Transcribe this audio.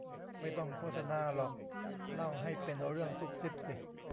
ไม่ต้องโฆษณาหรอก เล่าให้เป็นเรื่องซุบซิบสิ